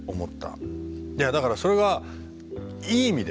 いやだからそれがいい意味でよ